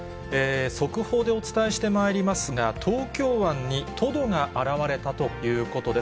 速報でお伝えしてまいりますが、東京湾にトドが現れたということです。